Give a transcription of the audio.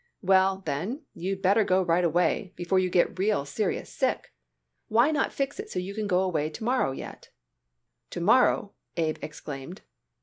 "Well, then, you'd better go right away, before you get real serious sick. Why not fix it so you can go away to morrow yet?" "To morrow!" Abe exclaimed.